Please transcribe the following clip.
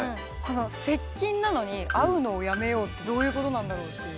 「接近」なのに「会うのをやめよう」ってどういうことなんだろう？っていう。